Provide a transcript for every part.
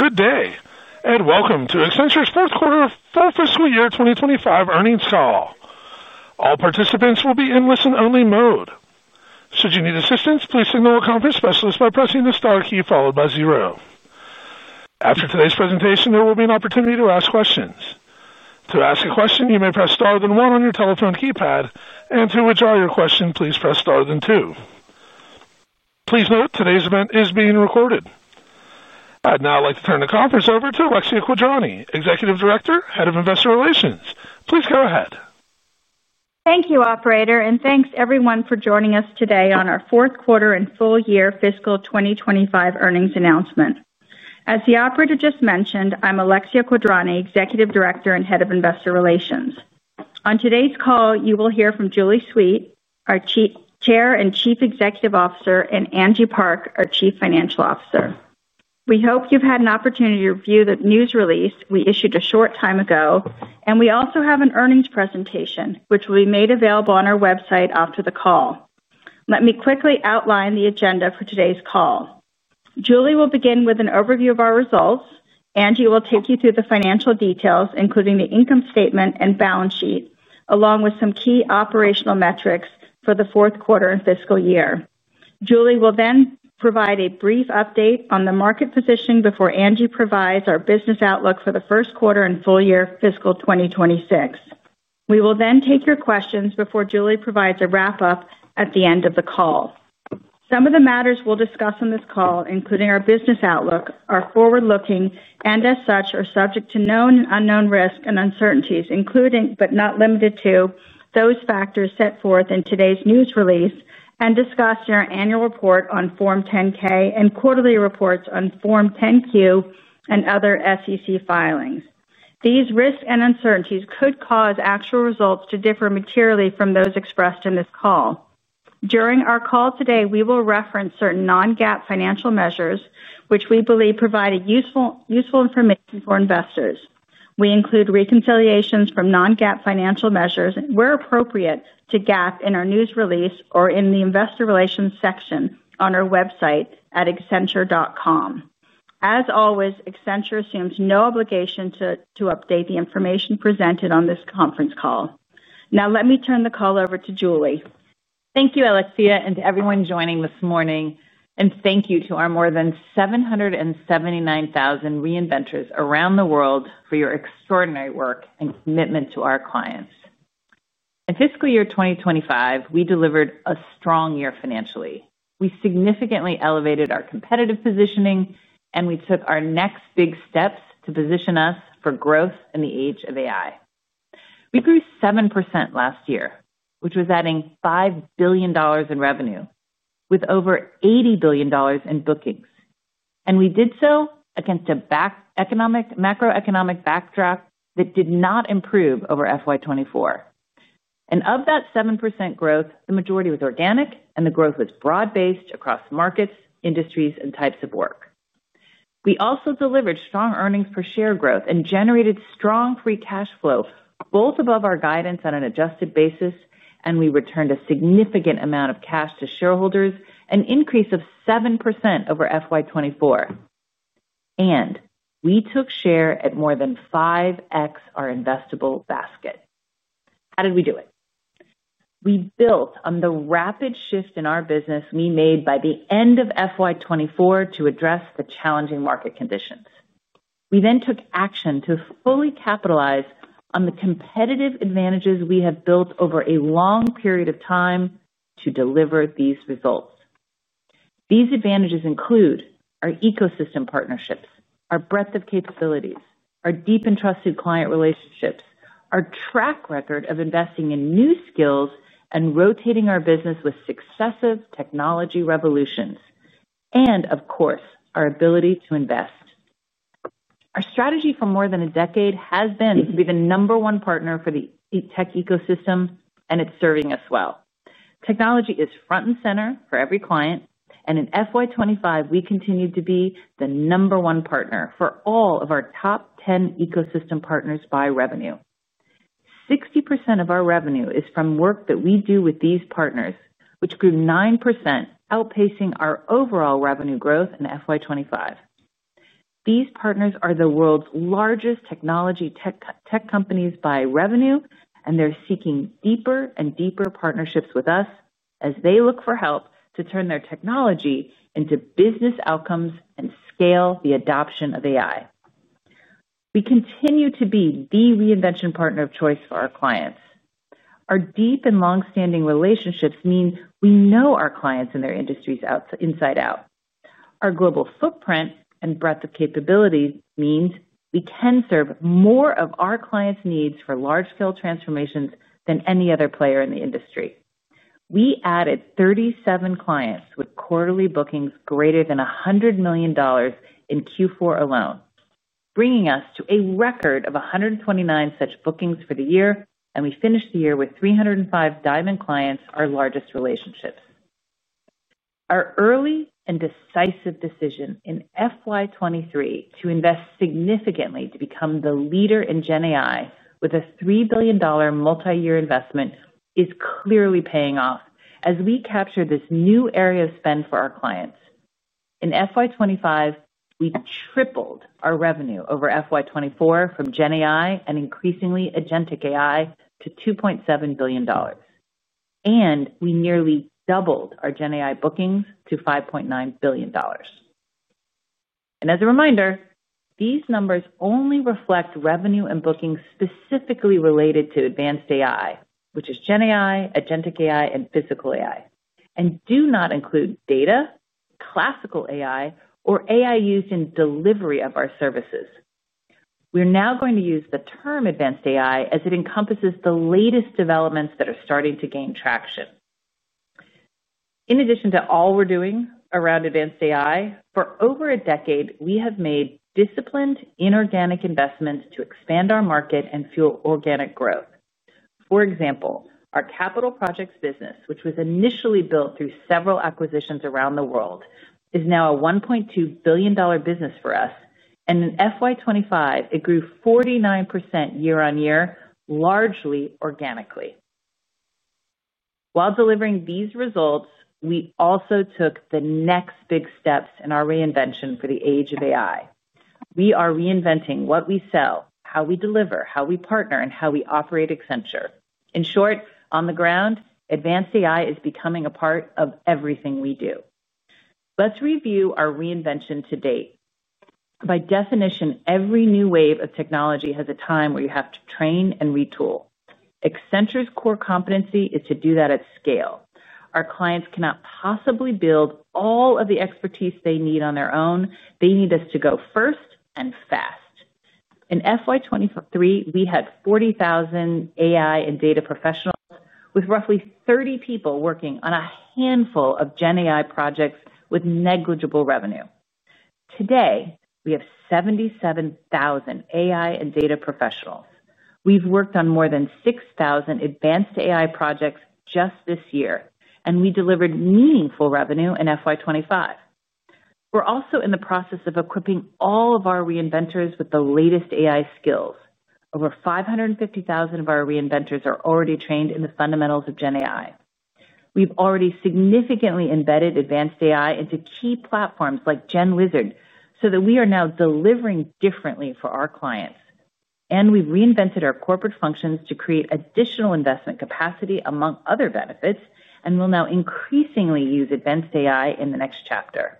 Good day, and welcome to Accenture's first quarter of the first fiscal year 2025 earnings call. All participants will be in listen-only mode. Should you need assistance, please signal a conference specialist by pressing the star key followed by zero. After today's presentation, there will be an opportunity to ask questions. To ask a question, you may press star then one on your telephone keypad, and to withdraw your question, please press star then two. Please note, today's event is being recorded. I'd now like to turn the conference over to Alexia Quadrani, Executive Director, Head of Investor Relations. Please go ahead. Thank you, Operator, and thanks everyone for joining us today on our fourth quarter and full-year fiscal 2025 earnings announcement. As the Operator just mentioned, I'm Alexia Quadrani, Executive Director and Head of Investor Relations. On today's call, you will hear from Julie Sweet, our Chief Executive Officer, and Angie Park, our Chief Financial Officer. We hope you've had an opportunity to review the news release we issued a short time ago, and we also have an earnings presentation, which will be made available on our website after the call. Let me quickly outline the agenda for today's call. Julie will begin with an overview of our results. Angie will take you through the financial details, including the income statement and balance sheet, along with some key operational metrics for the fourth quarter and fiscal year. Julie will then provide a brief update on the market position before Angie provides our business outlook for the first quarter and full-year fiscal 2026. We will then take your questions before Julie provides a wrap-up at the end of the call. Some of the matters we'll discuss on this call, including our business outlook, are forward-looking and, as such, are subject to known and unknown risks and uncertainties, including but not limited to those factors set forth in today's news release and discussed in our annual report on Form 10-K and quarterly reports on Form 10-Q and other SEC filings. These risks and uncertainties could cause actual results to differ materially from those expressed in this call. During our call today, we will reference certain non-GAAP financial measures, which we believe provide useful information for investors. We include reconciliations from non-GAAP financial measures where appropriate to GAAP in our news release or in the Investor Relations section on our website at accenture.com. As always, Accenture assumes no obligation to update the information presented on this conference call. Now, let me turn the call over to Julie. Thank you, Alexia, and to everyone joining this morning, and thank you to our more than 779,000 reinventors around the world for your extraordinary work and commitment to our clients. In fiscal year 2025, we delivered a strong year financially. We significantly elevated our competitive positioning, and we took our next big steps to position us for growth in the age of AI. We grew 7% last year, which was adding $5 billion in revenue, with over $80 billion in bookings. We did so against a macroeconomic backdrop that did not improve over FY24. Of that 7% growth, the majority was organic, and the growth was broad-based across markets, industries, and types of work. We also delivered strong earnings per share growth and generated strong free cash flow, both above our guidance on an adjusted basis, and we returned a significant amount of cash to shareholders, an increase of 7% over FY24. We took share at more than 5X our investable basket. How did we do it? We built on the rapid shift in our business we made by the end of FY24 to address the challenging market conditions. We then took action to fully capitalize on the competitive advantages we have built over a long period of time to deliver these results. These advantages include our ecosystem partnerships, our breadth of capabilities, our deep and trusted client relationships, our track record of investing in new skills and rotating our business with successive technology revolutions, and of course, our ability to invest. Our strategy for more than a decade has been to be the number one partner for the tech ecosystem, and it's serving us well. Technology is front and center for every client, and in FY25 we continued to be the number one partner for all of our top 10 ecosystem partners by revenue. 60% of our revenue is from work that we do with these partners, which grew 9%, outpacing our overall revenue growth in FY25. These partners are the world's largest technology companies by revenue, and they're seeking deeper and deeper partnerships with us as they look for help to turn their technology into business outcomes and scale the adoption of AI. We continue to be the reinvention partner of choice for our clients. Our deep and longstanding relationships mean we know our clients and their industries inside out. Our global footprint and breadth of capability mean we can serve more of our clients' needs for large-scale transformations than any other player in the industry. We added 37 clients with quarterly bookings greater than $100 million in Q4 alone, bringing us to a record of 129 such bookings for the year, and we finished the year with 305 Diamond clients, our largest relationships. Our early and decisive decision in FY23 to invest significantly to become the leader in Gen AI with a $3 billion multi-year investment is clearly paying off as we capture this new area of spend for our clients. In FY25, we tripled our revenue over FY24 from Gen AI and increasingly Agentic AI to $2.7 billion, and we nearly doubled our Gen AI bookings to $5.9 billion. As a reminder, these numbers only reflect revenue and bookings specifically related to advanced AI, which is Gen AI, Agentic AI, and physical AI, and do not include data, classical AI, or AI used in delivery of our services. We are now going to use the term advanced AI as it encompasses the latest developments that are starting to gain traction. In addition to all we are doing around advanced AI, for over a decade, we have made disciplined inorganic investments to expand our market and fuel organic growth. For example, our capital projects business, which was initially built through several acquisitions around the world, is now a $1.2 billion business for us, and in FY25, it grew 49% year on year, largely organically. While delivering these results, we also took the next big steps in our reinvention for the age of AI. We are reinventing what we sell, how we deliver, how we partner, and how we operate Accenture. In short, on the ground, advanced AI is becoming a part of everything we do. Let's review our reinvention to date. By definition, every new wave of technology has a time where you have to train and retool. Accenture's core competency is to do that at scale. Our clients cannot possibly build all of the expertise they need on their own. They need us to go first and fast. In FY23, we had 40,000 AI and data professionals, with roughly 30 people working on a handful of Gen AI projects with negligible revenue. Today, we have 77,000 AI and data professionals. We have worked on more than 6,000 advanced AI projects just this year, and we delivered meaningful revenue in FY25. We are also in the process of equipping all of our reinventors with the latest AI skills. Over 550,000 of our reinventors are already trained in the fundamentals of Gen AI. We have already significantly embedded advanced AI into key platforms like GenLizard so that we are now delivering differently for our clients. We reinvented our corporate functions to create additional investment capacity, among other benefits, and will now increasingly use advanced AI in the next chapter.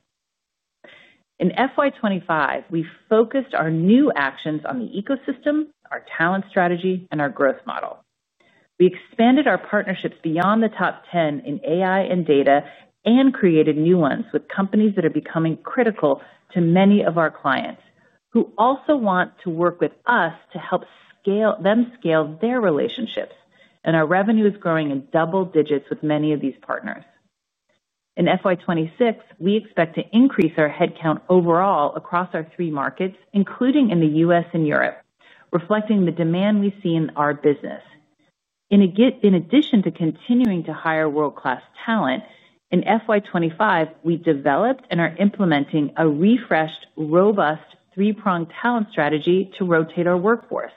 In FY25, we focused our new actions on the ecosystem, our talent strategy, and our growth model. We expanded our partnerships beyond the top 10 in AI and data and created new ones with companies that are becoming critical to many of our clients who also want to work with us to help them scale their relationships, and our revenue is growing in double digits with many of these partners. In FY26, we expect to increase our headcount overall across our three markets, including in the U.S. and Europe, reflecting the demand we see in our business. In addition to continuing to hire world-class talent, in FY25, we developed and are implementing a refreshed, robust three-pronged talent strategy to rotate our workforce.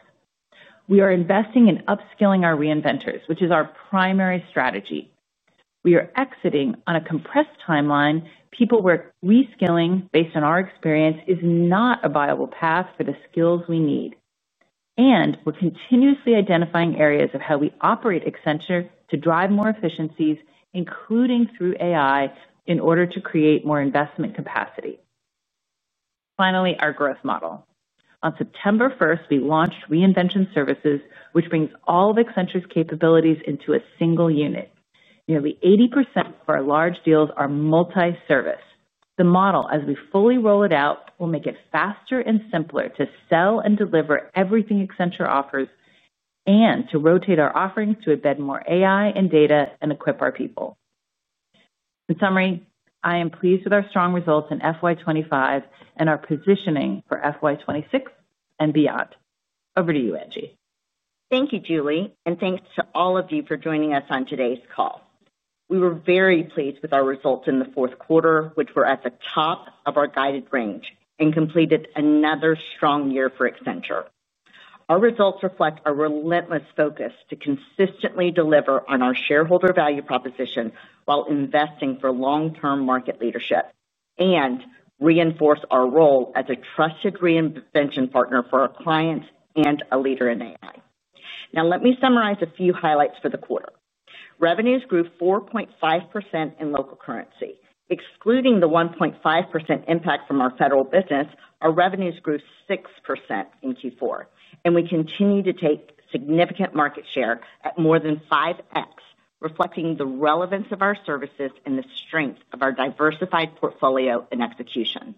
We are investing in upskilling our reinventors, which is our primary strategy. We are exiting on a compressed timeline. People work reskilling based on our experience is not a viable path for the skills we need. We are continuously identifying areas of how we operate Accenture to drive more efficiencies, including through AI, in order to create more investment capacity. Finally, our growth model. On September 1, we launched reinvention services, which brings all of Accenture's capabilities into a single unit. Nearly 80% of our large deals are multi-service. The model, as we fully roll it out, will make it faster and simpler to sell and deliver everything Accenture offers and to rotate our offerings to embed more AI and data and equip our people. In summary, I am pleased with our strong results in FY25 and our positioning for FY26 and beyond. Over to you, Angie. Thank you, Julie, and thanks to all of you for joining us on today's call. We were very pleased with our results in the fourth quarter, which were at the top of our guided range and completed another strong year for Accenture. Our results reflect our relentless focus to consistently deliver on our shareholder value proposition while investing for long-term market leadership and reinforce our role as a trusted reinvention partner for our clients and a leader in AI. Now, let me summarize a few highlights for the quarter. Revenues grew 4.5% in local currency. Excluding the 1.5% impact from our federal business, our revenues grew 6% in Q4, and we continue to take significant market share at more than 5X, reflecting the relevance of our services and the strength of our diversified portfolio and execution.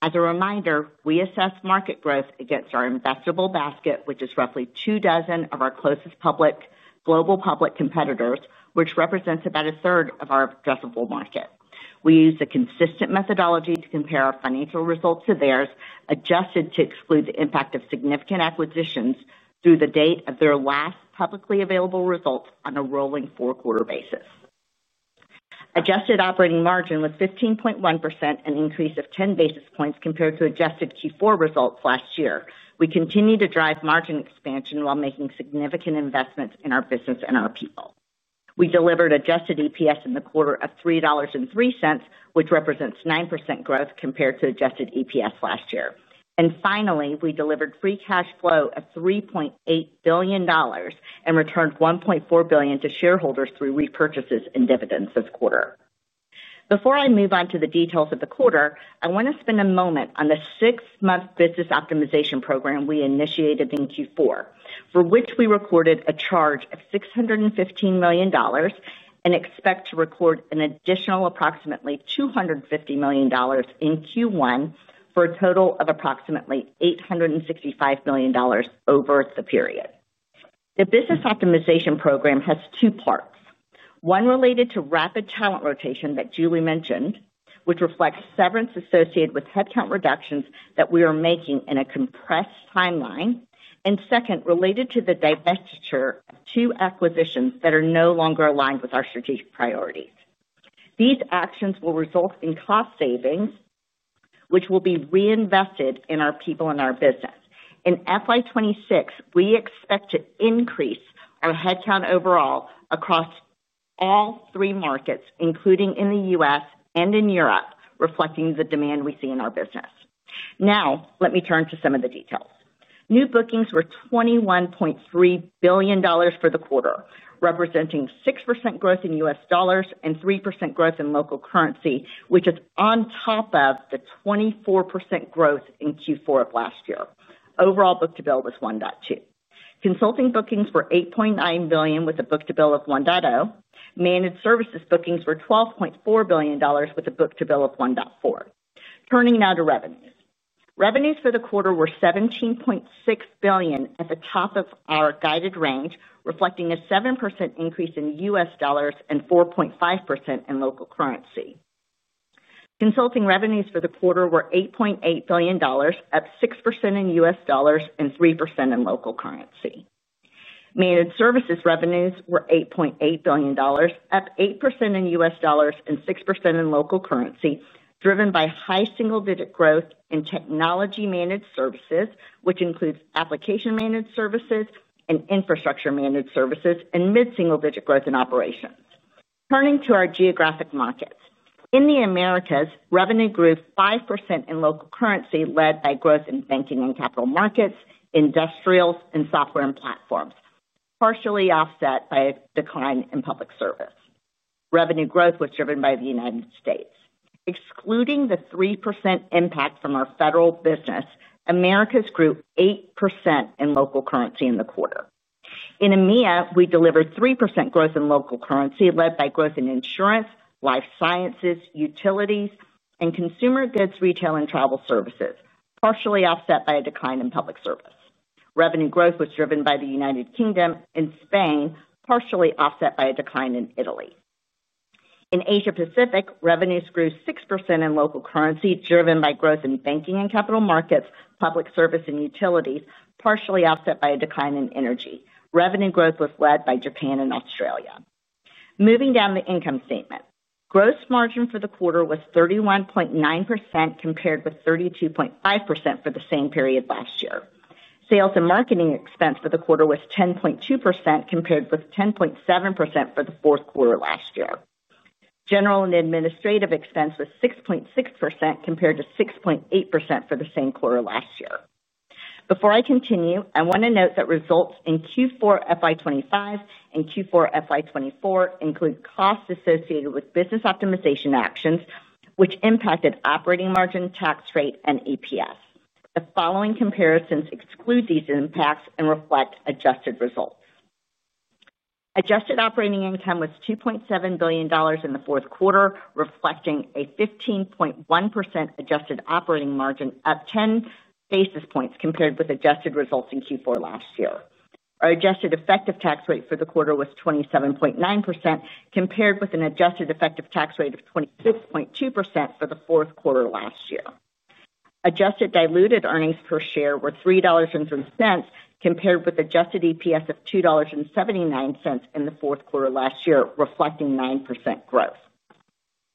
As a reminder, we assess market growth against our investable basket, which is roughly two dozen of our closest global public competitors, which represents about a third of our addressable market. We use a consistent methodology to compare our financial results to theirs, adjusted to exclude the impact of significant acquisitions through the date of their last publicly available results on a rolling four-quarter basis. Adjusted operating margin was 15.1%, an increase of 10 basis points compared to adjusted Q4 results last year. We continue to drive margin expansion while making significant investments in our business and our people. We delivered adjusted EPS in the quarter of $3.03, which represents 9% growth compared to adjusted EPS last year. Finally, we delivered free cash flow of $3.8 billion and returned $1.4 billion to shareholders through repurchases and dividends this quarter. Before I move on to the details of the quarter, I want to spend a moment on the six-month business optimization program we initiated in Q4, for which we recorded a charge of $615 million and expect to record an additional approximately $250 million in Q1 for a total of approximately $865 million over the period. The business optimization program has two parts: one related to rapid talent rotation that Julie mentioned, which reflects severance associated with headcount reductions that we are making in a compressed timeline, and second, related to the divestiture of two acquisitions that are no longer aligned with our strategic priorities. These actions will result in cost savings, which will be reinvested in our people and our business. In FY26, we expect to increase our headcount overall across all three markets, including in the U.S. and in Europe, reflecting the demand we see in our business. Now, let me turn to some of the details. New bookings were $21.3 billion for the quarter, representing 6% growth in U.S. dollars and 3% growth in local currency, which is on top of the 24% growth in Q4 of last year. Overall book-to-bill was $1.2. Consulting bookings were $8.9 billion with a book-to-bill of $1.0. Managed services bookings were $12.4 billion with a book-to-bill of $1.4. Turning now to revenues. Revenues for the quarter were $17.6 billion at the top of our guided range, reflecting a 7% increase in U.S. dollars and 4.5% in local currency. Consulting revenues for the quarter were $8.8 billion, up 6% in U.S. dollars and 3% in local currency. Managed services revenues were $8.8 billion, up 8% in U.S. dollars and 6% in local currency, driven by high single-digit growth in technology managed services, which includes application managed services and infrastructure managed services, and mid-single-digit growth in operations. Turning to our geographic markets. In the Americas, revenue grew 5% in local currency, led by growth in banking and capital markets, industrials, and software and platforms, partially offset by a decline in public service. Revenue growth was driven by the United States. Excluding the 3% impact from our federal business, Americas grew 8% in local currency in the quarter. In EMEA, we delivered 3% growth in local currency, led by growth in insurance, life sciences, utilities, and consumer goods, retail, and travel services, partially offset by a decline in public service. Revenue growth was driven by the United Kingdom and Spain, partially offset by a decline in Italy. In Asia Pacific, revenues grew 6% in local currency, driven by growth in banking and capital markets, public service, and utilities, partially offset by a decline in energy. Revenue growth was led by Japan and Australia. Moving down the income statement, gross margin for the quarter was 31.9% compared with 32.5% for the same period last year. Sales and marketing expense for the quarter was 10.2% compared with 10.7% for the fourth quarter last year. General and administrative expense was 6.6% compared to 6.8% for the same quarter last year. Before I continue, I want to note that results in Q4 FY25 and Q4 FY24 include costs associated with business optimization actions, which impacted operating margin, tax rate, and EPS. The following comparisons exclude these impacts and reflect adjusted results. Adjusted operating income was $2.7 billion in the fourth quarter, reflecting a 15.1% adjusted operating margin, up 10 basis points compared with adjusted results in Q4 last year. Our adjusted effective tax rate for the quarter was 27.9% compared with an adjusted effective tax rate of 26.2% for the fourth quarter last year. Adjusted diluted earnings per share were $3.03 compared with adjusted EPS of $2.79 in the fourth quarter last year, reflecting 9% growth.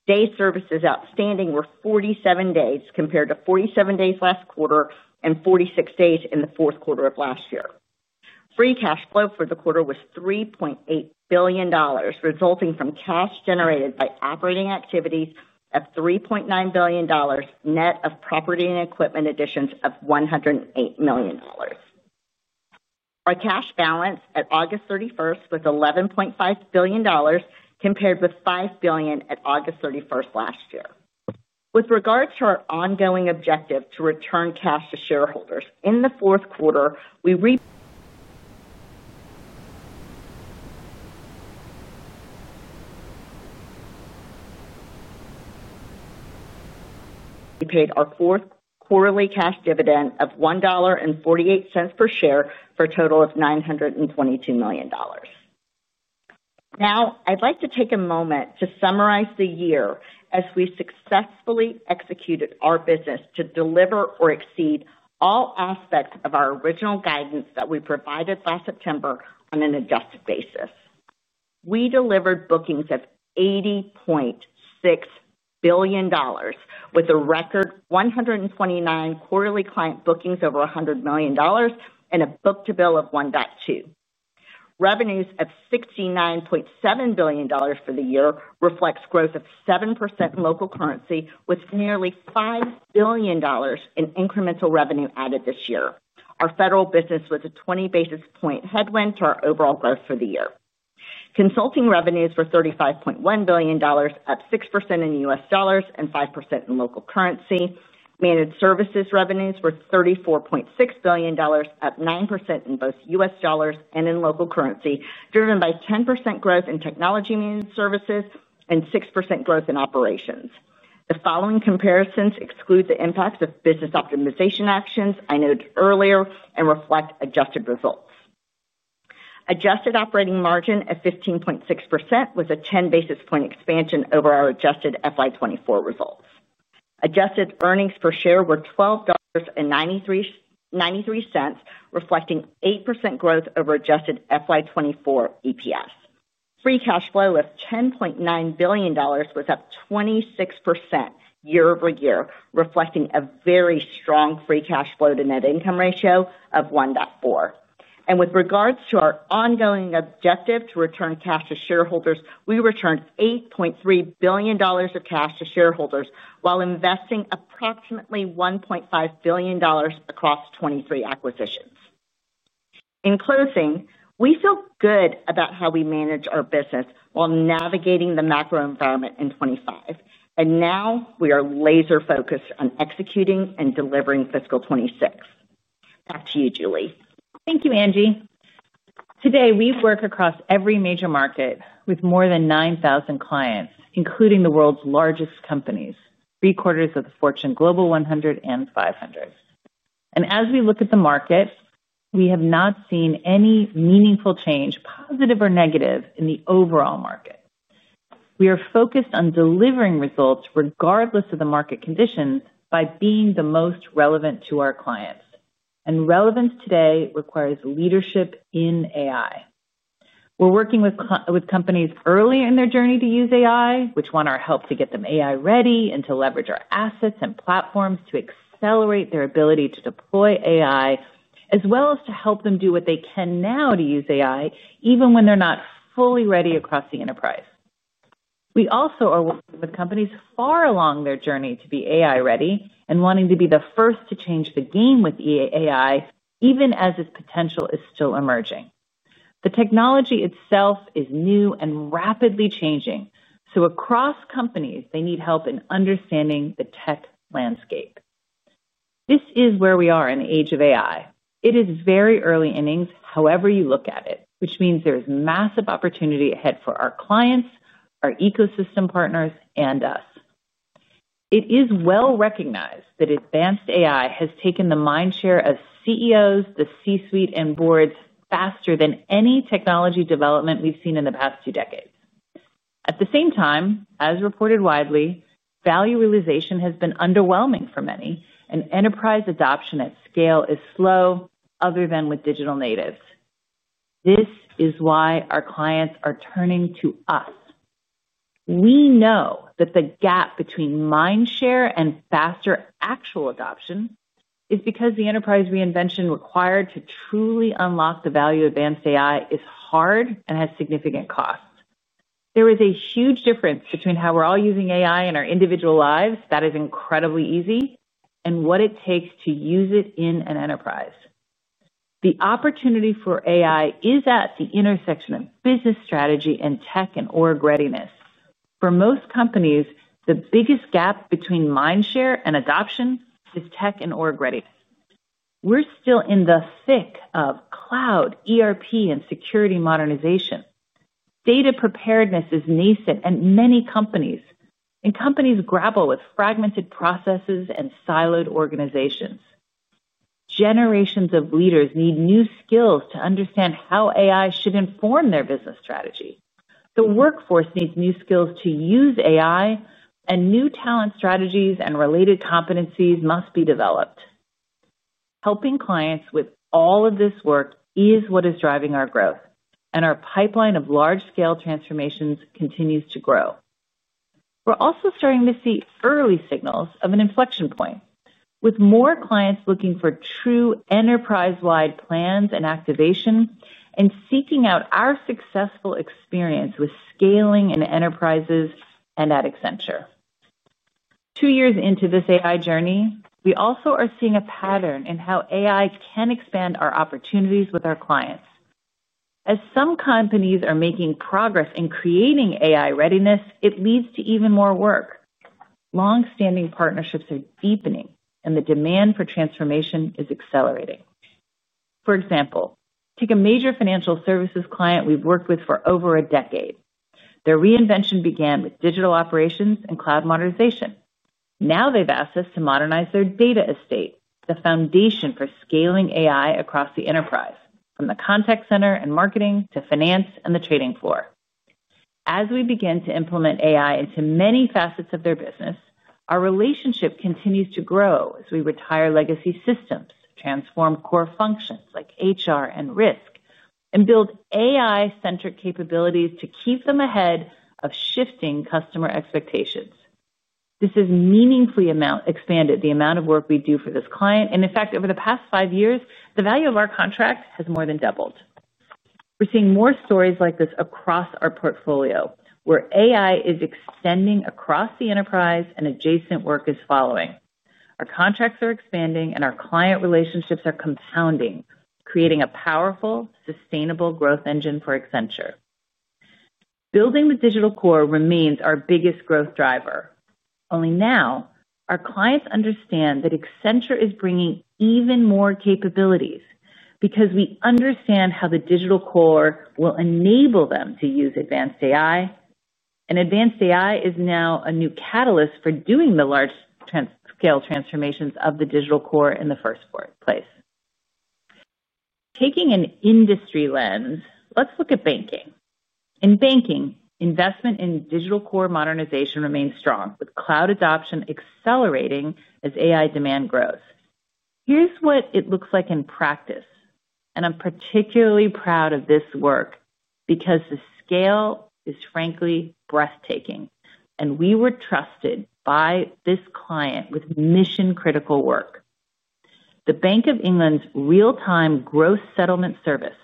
Day services outstanding were 47 days compared to 47 days last quarter and 46 days in the fourth quarter of last year. Free cash flow for the quarter was $3.8 billion, resulting from cash generated by operating activities of $3.9 billion, net of property and equipment additions of $108 million. Our cash balance at August 31 was $11.5 billion compared with $5 billion at August 31 last year. With regards to our ongoing objective to return cash to shareholders in the fourth quarter, we repaid our fourth quarterly cash dividend of $1.48 per share for a total of $922 million. Now, I'd like to take a moment to summarize the year as we successfully executed our business to deliver or exceed all aspects of our original guidance that we provided last September on an adjusted basis. We delivered bookings of $80.6 billion, with a record 129 quarterly client bookings over $100 million and a book-to-bill of $1.2. Revenues of $69.7 billion for the year reflect growth of 7% in local currency, with nearly $5 billion in incremental revenue added this year. Our federal business was a 20 basis point headwind to our overall growth for the year. Consulting revenues were $35.1 billion, up 6% in U.S. dollars and 5% in local currency. Managed services revenues were $34.6 billion, up 9% in both U.S. dollars and in local currency, driven by 10% growth in technology managed services and 6% growth in operations. The following comparisons exclude the impacts of business optimization actions I noted earlier and reflect adjusted results. Adjusted operating margin at 15.6% was a 10 basis point expansion over our adjusted FY24 results. Adjusted earnings per share were $12.93, reflecting 8% growth over adjusted FY24 EPS. Free cash flow was $10.9 billion, up 26% year over year, reflecting a very strong free cash flow to net income ratio of 1.4. With regards to our ongoing objective to return cash to shareholders, we returned $8.3 billion of cash to shareholders while investing approximately $1.5 billion across 23 acquisitions. In closing, we feel good about how we managed our business while navigating the macro environment in 2025, and now we are laser-focused on executing and delivering fiscal 2026. Back to you, Julie. Thank you, Angie. Today, we've worked across every major market with more than 9,000 clients, including the world's largest companies, three quarters of the Fortune Global 100 and 500. As we look at the markets, we have not seen any meaningful change, positive or negative, in the overall market. We are focused on delivering results regardless of the market conditions by being the most relevant to our clients. Relevance today requires leadership in AI. We're working with companies early in their journey to use AI, which want our help to get them AI ready and to leverage our assets and platforms to accelerate their ability to deploy AI, as well as to help them do what they can now to use AI, even when they're not fully ready across the enterprise. We also are working with companies far along their journey to be AI ready and wanting to be the first to change the game with AI, even as its potential is still emerging. The technology itself is new and rapidly changing, so across companies, they need help in understanding the tech landscape. This is where we are in the age of AI. It is very early innings, however you look at it, which means there is massive opportunity ahead for our clients, our ecosystem partners, and us. It is well recognized that advanced AI has taken the mindshare of CEOs, the C-suite, and boards faster than any technology development we've seen in the past two decades. At the same time, as reported widely, value realization has been underwhelming for many, and enterprise adoption at scale is slow other than with digital natives. This is why our clients are turning to us. We know that the gap between mindshare and faster actual adoption is because the enterprise reinvention required to truly unlock the value of advanced AI is hard and has significant costs. There is a huge difference between how we're all using AI in our individual lives that is incredibly easy and what it takes to use it in an enterprise. The opportunity for AI is at the intersection of business strategy and tech and org readiness. For most companies, the biggest gap between mindshare and adoption is tech and org readiness. We're still in the thick of cloud, ERP, and security modernization. Data preparedness is nascent in many companies, and companies grapple with fragmented processes and siloed organizations. Generations of leaders need new skills to understand how AI should inform their business strategy. The workforce needs new skills to use AI, and new talent strategies and related competencies must be developed. Helping clients with all of this work is what is driving our growth, and our pipeline of large-scale transformations continues to grow. We're also starting to see early signals of an inflection point, with more clients looking for true enterprise-wide plans and activation and seeking out our successful experience with scaling in enterprises and at Accenture. Two years into this AI journey, we also are seeing a pattern in how AI can expand our opportunities with our clients. As some companies are making progress in creating AI readiness, it leads to even more work. Longstanding partnerships are deepening, and the demand for transformation is accelerating. For example, take a major financial services client we've worked with for over a decade. Their reinvention began with digital operations and cloud modernization. Now they've asked us to modernize their data estate, the foundation for scaling AI across the enterprise, from the contact center and marketing to finance and the trading floor. As we begin to implement AI into many facets of their business, our relationship continues to grow as we retire legacy systems, transform core functions like HR and risk, and build AI-centric capabilities to keep them ahead of shifting customer expectations. This has meaningfully expanded the amount of work we do for this client, and in fact, over the past five years, the value of our contract has more than doubled. We're seeing more stories like this across our portfolio, where AI is extending across the enterprise and adjacent work is following. Our contracts are expanding, and our client relationships are compounding, creating a powerful, sustainable growth engine for Accenture. Building the digital core remains our biggest growth driver. Only now, our clients understand that Accenture is bringing even more capabilities because we understand how the digital core will enable them to use advanced AI, and advanced AI is now a new catalyst for doing the large-scale transformations of the digital core in the first place. Taking an industry lens, let's look at banking. In banking, investment in digital core modernization remains strong, with cloud adoption accelerating as AI demand grows. Here's what it looks like in practice, and I'm particularly proud of this work because the scale is frankly breathtaking, and we were trusted by this client with mission-critical work. The Bank of England's real-time gross settlement service,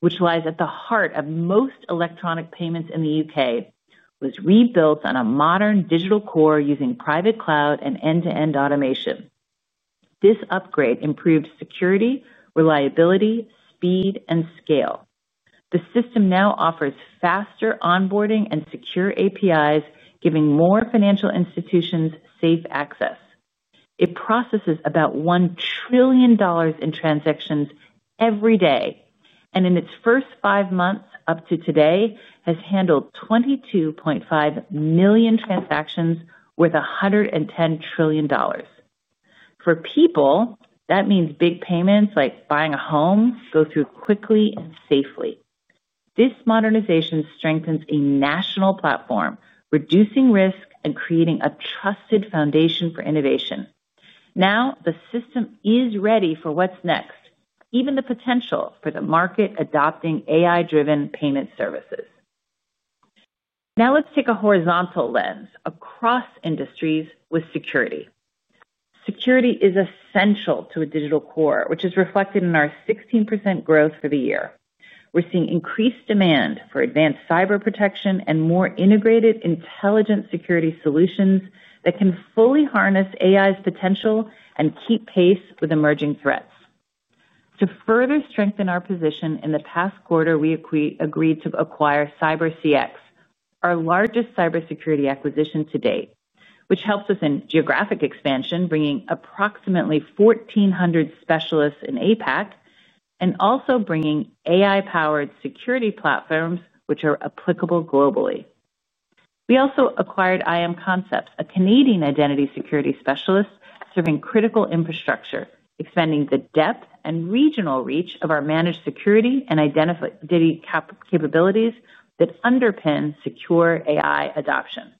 which lies at the heart of most electronic payments in the UK, was rebuilt on a modern digital core using private cloud and end-to-end automation. This upgrade improved security, reliability, speed, and scale. The system now offers faster onboarding and secure APIs, giving more financial institutions safe access. It processes about $1 trillion in transactions every day, and in its first five months up to today, it has handled 22.5 million transactions worth $110 trillion. For people, that means big payments like buying a home go through quickly and safely. This modernization strengthens a national platform, reducing risk and creating a trusted foundation for innovation. Now the system is ready for what's next, even the potential for the market adopting AI-driven payment services. Now let's take a horizontal lens across industries with security. Security is essential to a digital core, which is reflected in our 16% growth for the year. We're seeing increased demand for advanced cyber protection and more integrated intelligent security solutions that can fully harness AI's potential and keep pace with emerging threats. To further strengthen our position, in the past quarter, we agreed to acquire CyberCX, our largest cybersecurity acquisition to date, which helps us in geographic expansion, bringing approximately 1,400 specialists in APAC and also bringing AI-powered security platforms which are applicable globally. We also acquired IAM Concepts, a Canadian identity security specialist serving critical infrastructure, expanding the depth and regional reach of our managed security and identity capabilities that underpin secure AI adoption.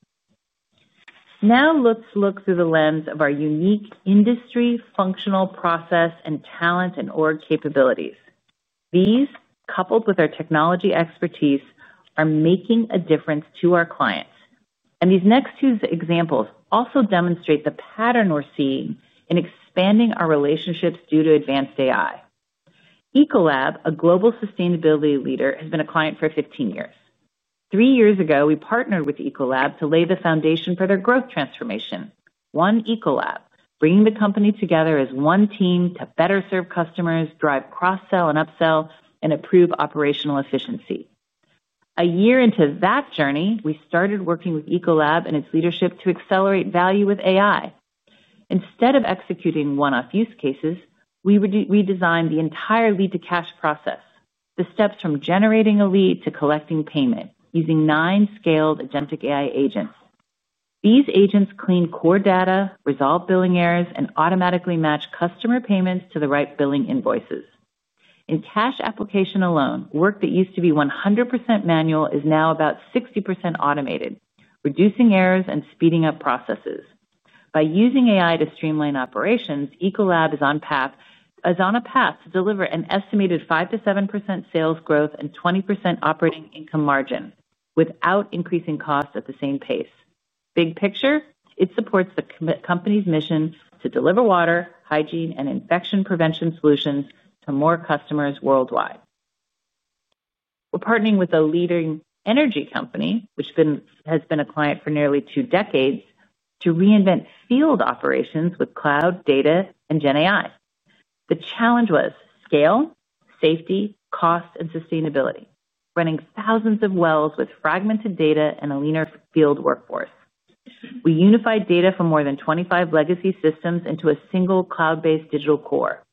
Now let's look through the lens of our unique industry, functional process, and talent and org capabilities. These, coupled with our technology expertise, are making a difference to our clients. These next two examples also demonstrate the pattern we're seeing in expanding our relationships due to advanced AI. Ecolab, a global sustainability leader, has been a client for 15 years. Three years ago, we partnered with Ecolab to lay the foundation for their growth transformation. One Ecolab, bringing the company together as one team to better serve customers, drive cross-sell and upsell, and improve operational efficiency. A year into that journey, we started working with Ecolab and its leadership to accelerate value with AI. Instead of executing one-off use cases, we redesigned the entire lead-to-cash process, the steps from generating a lead to collecting payment using nine scaled Agentic AI agents. These agents clean core data, resolve billing errors, and automatically match customer payments to the right billing invoices. In cash application alone, work that used to be 100% manual is now about 60% automated, reducing errors and speeding up processes. By using AI to streamline operations, Ecolab is on a path to deliver an estimated 5% to 7% sales growth and 20% operating income margin without increasing costs at the same pace. Big picture, it supports the company's mission to deliver water, hygiene, and infection prevention solutions to more customers worldwide. We're partnering with a leading energy company, which has been a client for nearly two decades, to reinvent field operations with cloud, data, and Gen AI. The challenge was scale, safety, cost, and sustainability, running thousands of wells with fragmented data and a leaner field workforce. We unified data from more than 25 legacy systems into a single cloud-based digital core.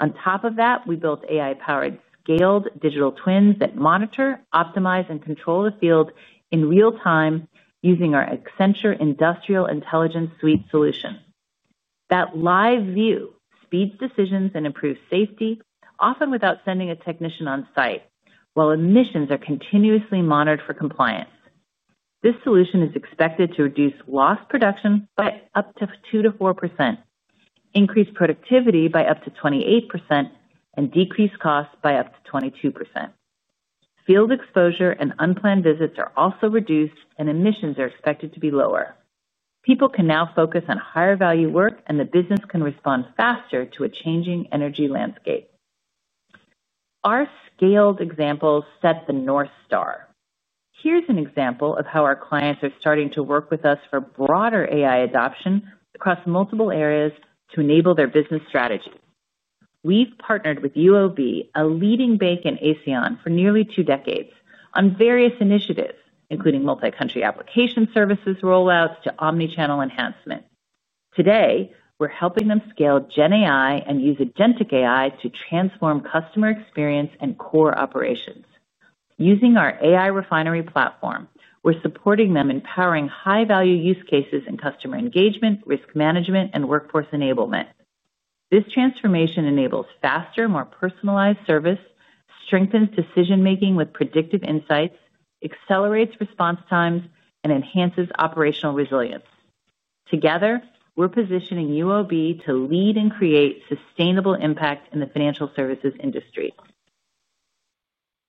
On top of that, we built AI-powered scaled digital twins that monitor, optimize, and control the field in real time using our Accenture Industrial Intelligence Suite solution. That live view speeds decisions and improves safety, often without sending a technician on site, while emissions are continuously monitored for compliance. This solution is expected to reduce lost production by up to 2% to 4%, increase productivity by up to 28%, and decrease costs by up to 22%. Field exposure and unplanned visits are also reduced, and emissions are expected to be lower. People can now focus on higher-value work, and the business can respond faster to a changing energy landscape. Our scaled examples set the North Star. Here's an example of how our clients are starting to work with us for broader AI adoption across multiple areas to enable their business strategy. We've partnered with UOB, a leading bank in ASEAN, for nearly two decades on various initiatives, including multi-country application services rollouts to omnichannel enhancement. Today, we're helping them scale Gen AI and use agentic AI to transform customer experience and core operations. Using our AI refinery platform, we're supporting them in powering high-value use cases in customer engagement, risk management, and workforce enablement. This transformation enables faster, more personalized service, strengthens decision-making with predictive insights, accelerates response times, and enhances operational resilience. Together, we're positioning UOB to lead and create sustainable impact in the financial services industry.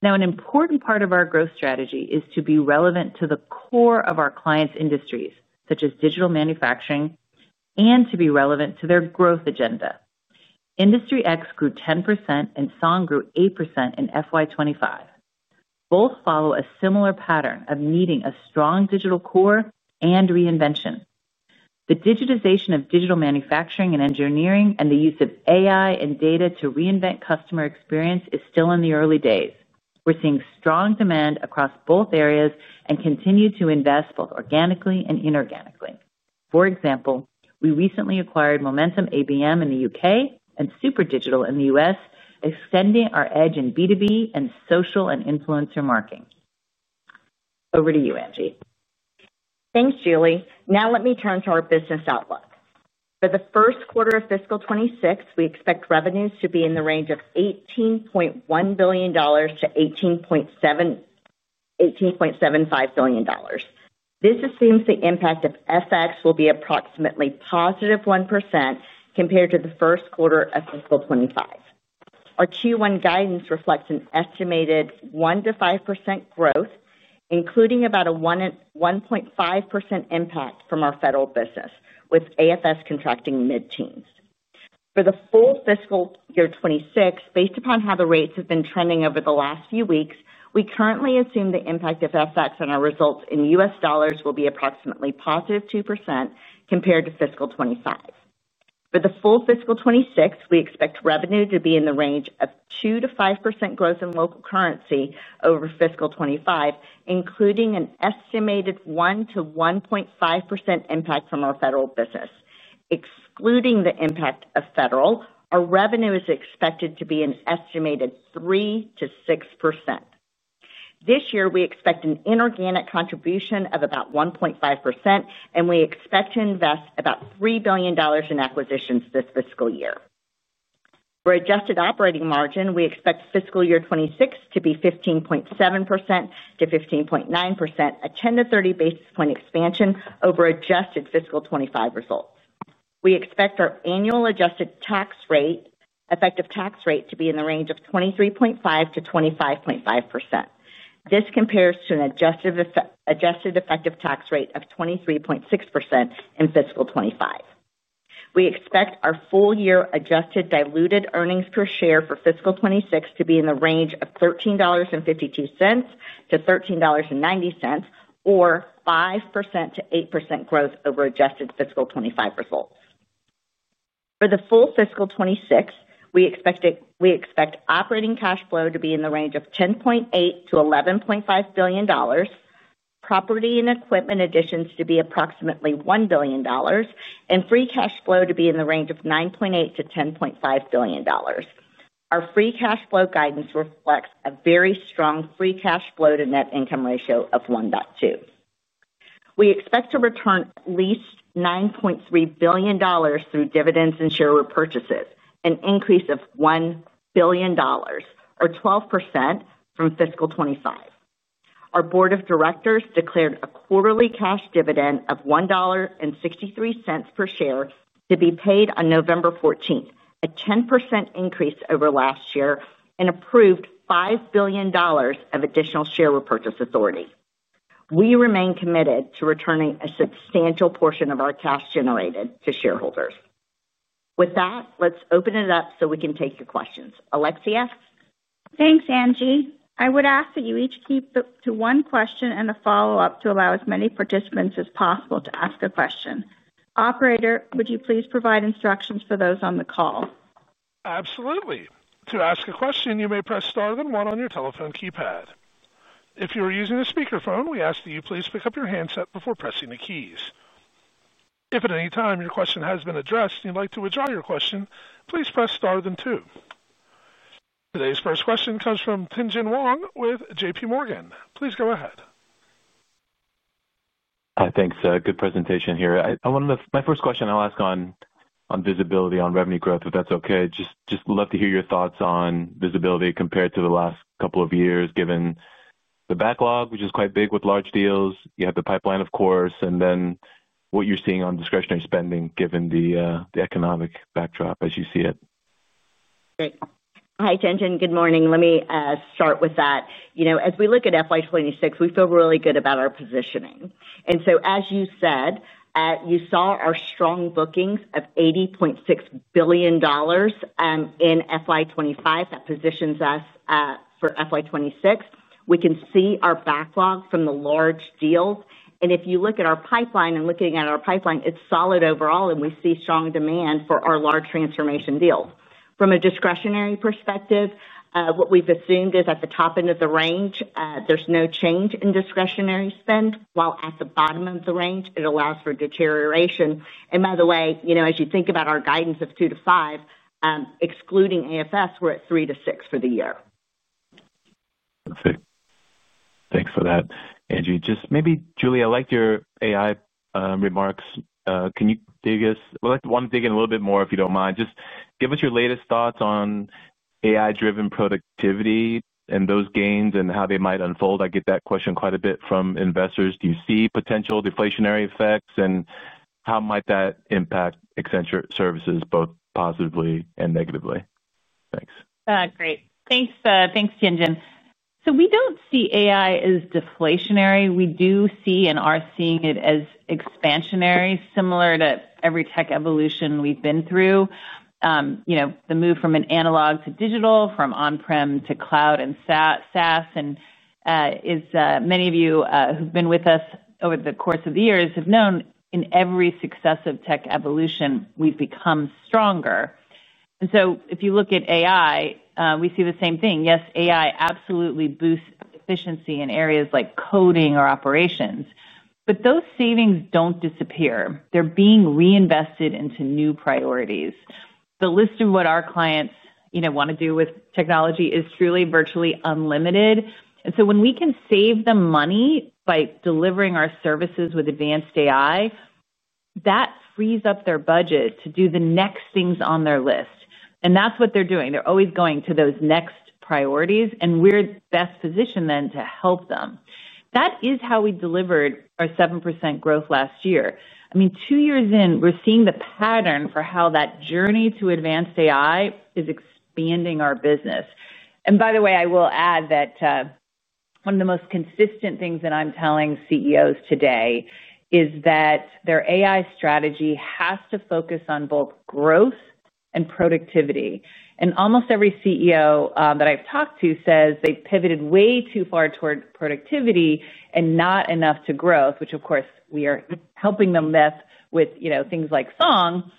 Now, an important part of our growth strategy is to be relevant to the core of our clients' industries, such as digital manufacturing, and to be relevant to their growth agenda. Industry X grew 10% and Song grew 8% in FY25. Both follow a similar pattern of needing a strong digital core and reinvention. The digitization of digital manufacturing and engineering and the use of AI and data to reinvent customer experience is still in the early days. We're seeing strong demand across both areas and continue to invest both organically and inorganically. For example, we recently acquired Momentum ABM in the United Kingdom and SuperDigital in the U.S., extending our edge in B2B and social and influencer marketing. Over to you, Angie. Thanks, Julie. Now let me turn to our business outlook. For the first quarter of fiscal 2026, we expect revenues to be in the range of $18.1 billion to $18.75 billion. This assumes the impact of FX will be approximately positive 1% compared to the first quarter of fiscal 2025. Our Q1 guidance reflects an estimated 1% to 5% growth, including about a 1.5% impact from our federal business, with AFS contracting mid-teens. For the full fiscal year 2026, based upon how the rates have been trending over the last few weeks, we currently assume the impact of FX on our results in U.S. dollars will be approximately positive 2% compared to fiscal 2025. For the full fiscal 2026, we expect revenue to be in the range of 2% to 5% growth in local currency over fiscal 2025, including an estimated 1% to 1.5% impact from our federal business. Excluding the impact of federal, our revenue is expected to be an estimated 3% to 6%. This year, we expect an inorganic contribution of about 1.5%, and we expect to invest about $3 billion in acquisitions this fiscal year. For adjusted operating margin, we expect fiscal year 2026 to be 15.7% to 15.9%, a 10 to 30 basis point expansion over adjusted fiscal 2025 results. We expect our annual adjusted tax rate, effective tax rate, to be in the range of 23.5% to 25.5%. This compares to an adjusted effective tax rate of 23.6% in fiscal 2025. We expect our full-year adjusted diluted earnings per share for fiscal 2026 to be in the range of $13.52 to $13.90, or 5% to 8% growth over adjusted fiscal 2025 results. For the full fiscal 2026, we expect operating cash flow to be in the range of $10.8 billion to $11.5 billion, property and equipment additions to be approximately $1 billion, and free cash flow to be in the range of $9.8 billion to $10.5 billion. Our free cash flow guidance reflects a very strong free cash flow to net income ratio of 1.2. We expect to return at least $9.3 billion through dividends and share repurchases, an increase of $1 billion, or 12% from fiscal 2025. Our board of directors declared a quarterly cash dividend of $1.63 per share to be paid on November 14, a 10% increase over last year, and approved $5 billion of additional share repurchase authority. We remain committed to returning a substantial portion of our cash generated to shareholders. With that, let's open it up so we can take your questions. Alexia. Thanks, Angie. I would ask that you each keep to one question and a follow-up to allow as many participants as possible to ask a question. Operator, would you please provide instructions for those on the call? Absolutely. To ask a question, you may press star then one on your telephone keypad. If you are using a speakerphone, we ask that you please pick up your handset before pressing the keys. If at any time your question has been addressed and you'd like to withdraw your question, please press star then two. Today's first question comes from Tien-Tsin Huang with JPMorgan. Please go ahead. I think it's a good presentation here. My first question I'll ask on visibility on revenue growth, if that's OK. Just love to hear your thoughts on visibility compared to the last couple of years, given the backlog, which is quite big with large deals. You have the pipeline, of course, and then what you're seeing on discretionary spending, given the economic backdrop as you see it. Great. Hi, Tien-Tsin. Good morning. Let me start with that. As we look at FY2026, we feel really good about our positioning. As you said, you saw our strong bookings of $80.6 billion in FY2025. That positions us for FY2026. We can see our backlog from the large deals. If you look at our pipeline, and looking at our pipeline, it's solid overall, and we see strong demand for our large transformation deals. From a discretionary perspective, what we've assumed is at the top end of the range, there's no change in discretionary spend, while at the bottom of the range, it allows for deterioration. By the way, as you think about our guidance of 2% to 5%, excluding AFS, we're at 3% to 6% for the year. OK. Thanks for that, Angie. Julie, I like your AI remarks. Can you dig us? I'd like to want to dig in a little bit more, if you don't mind. Just give us your latest thoughts on AI-driven productivity and those gains and how they might unfold. I get that question quite a bit from investors. Do you see potential deflationary effects? How might that impact Accenture services, both positively and negatively? Thanks. Great. Thanks, Tien-Tsin. We do not see AI as deflationary. We do see and are seeing it as expansionary, similar to every tech evolution we've been through. The move from analog to digital, from on-prem to cloud and SaaS, and as many of you who've been with us over the course of the years have known, in every successive tech evolution, we've become stronger. If you look at AI, we see the same thing. Yes, AI absolutely boosts efficiency in areas like coding or operations. Those savings do not disappear. They're being reinvested into new priorities. The list of what our clients want to do with technology is truly virtually unlimited. When we can save them money by delivering our services with advanced AI, that frees up their budget to do the next things on their list. That's what they're doing. They're always going to those next priorities, and we're best positioned then to help them. That is how we delivered our 7% growth last year. Two years in, we're seeing the pattern for how that journey to advanced AI is expanding our business. By the way, I will add that one of the most consistent things that I'm telling CEOs today is that their AI strategy has to focus on both growth and productivity. Almost every CEO that I've talked to says they've pivoted way too far toward productivity and not enough to growth, which, of course, we are helping them with things like Song.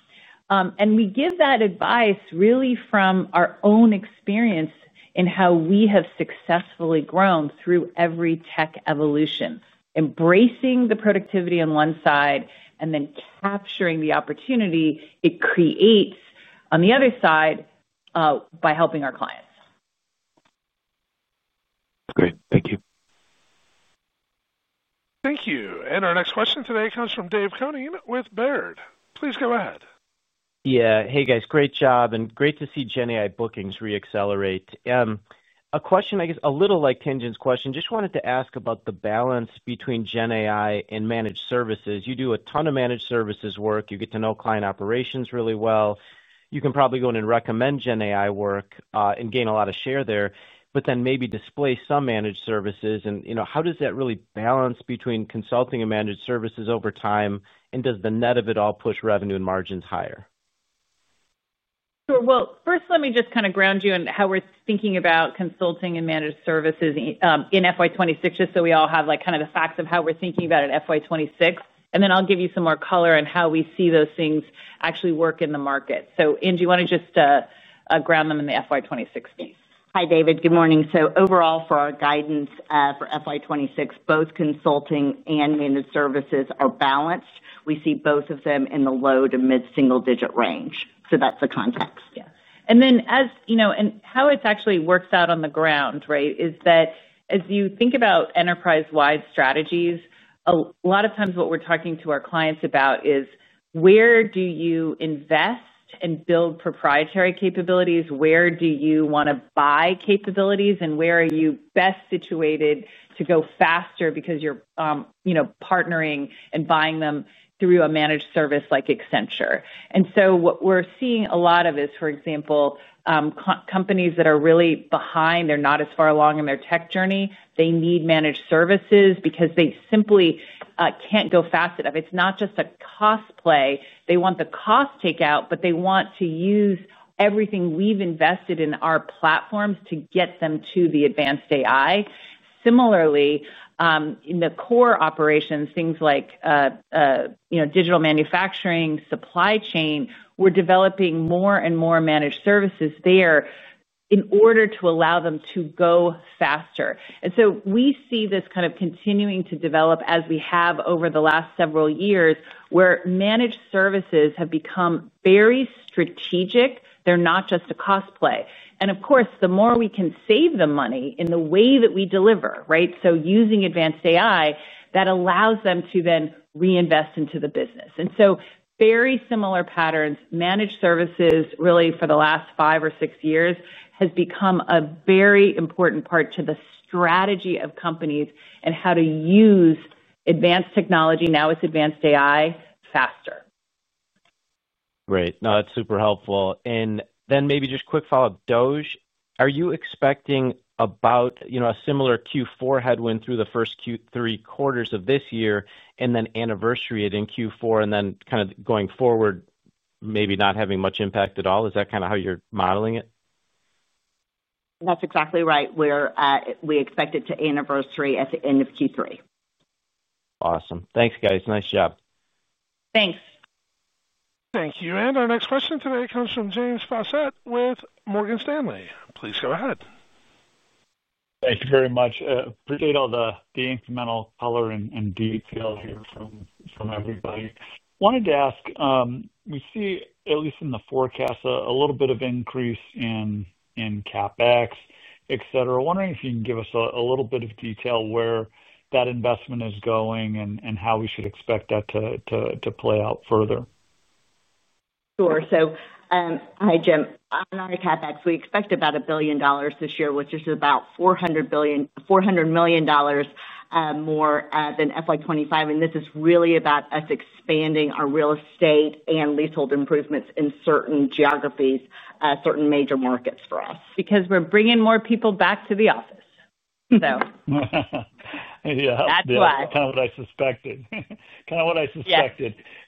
We give that advice really from our own experience in how we have successfully grown through every tech evolution, embracing the productivity on one side and then capturing the opportunity it creates on the other side by helping our clients. Great, thank you. Thank you. Our next question today comes from Dave Koning with Baird. Please go ahead. Yeah. Hey, guys. Great job and great to see Gen AI bookings reaccelerate. A question, I guess, a little like Tien-Tsin's question. Just wanted to ask about the balance between Gen AI and managed services. You do a ton of managed services work. You get to know client operations really well. You can probably go in and recommend Gen AI work and gain a lot of share there, but then maybe displace some managed services. How does that really balance between consulting and managed services over time? Does the net of it all push revenue and margins higher? Sure. First, let me just kind of ground you in how we're thinking about consulting and managed services in FY26, just so we all have the facts of how we're thinking about it in FY26. I'll give you some more color on how we see those things actually work in the market. Angie, you want to just ground them in the FY26 piece? Hi, David. Good morning. For our guidance for FY26, both consulting and managed services are balanced. We see both of them in the low to mid-single-digit range. That's the context. Yeah. As you know, how it's actually worked out on the ground is that as you think about enterprise-wide strategies, a lot of times what we're talking to our clients about is where do you invest and build proprietary capabilities, where do you want to buy capabilities, and where are you best situated to go faster because you're partnering and buying them through a managed service like Accenture. What we're seeing a lot of is, for example, companies that are really behind, they're not as far along in their tech journey. They need managed services because they simply can't go fast enough. It's not just a cost play. They want the cost takeout, but they want to use everything we've invested in our platforms to get them to the advanced AI. Similarly, in the core operations, things like digital manufacturing and supply chain, we're developing more and more managed services there in order to allow them to go faster. We see this kind of continuing to develop as we have over the last several years, where managed services have become very strategic. They're not just a cost play. The more we can save them money in the way that we deliver, using advanced AI, that allows them to then reinvest into the business. Very similar patterns, managed services really for the last five or six years have become a very important part to the strategy of companies and how to use advanced technology, now it's advanced AI, faster. Great. No, that's super helpful. Maybe just quick follow-up. Are you expecting a similar Q4 headwind through the first three quarters of this year and then anniversary it in Q4, and then going forward, maybe not having much impact at all? Is that kind of how you're modeling it? That's exactly right. We expect it to anniversary at the end of Q3. Awesome. Thanks, guys. Nice job. Thanks. Thank you. Our next question today comes from James Faucette with Morgan Stanley. Please go ahead. Thank you very much. Appreciate all the incremental color and detail here from everybody. I wanted to ask, we see, at least in the forecast, a little bit of increase in CapEx, et cetera. I'm wondering if you can give us a little bit of detail where that investment is going and how we should expect that to play out further. Sure. On our CapEx, we expect about $1 billion this year, which is about $400 million more than FY2025. This is really about us expanding our real estate and leasehold improvements in certain geographies, certain major markets for us. Because we're bringing more people back to the office. Yeah, that's why. Kind of what I suspected.